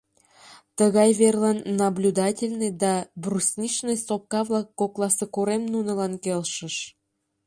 Тыгай верлан Наблюдательный да Брусничный сопка-влак кокласе корем нунылан келшыш.